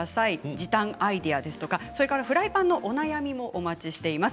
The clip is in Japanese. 時短アイデア、フライパンのお悩みもお待ちしています。